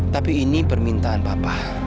tapi ini permintaan papa